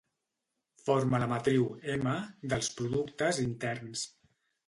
Forma la matriu "M" dels productes interns.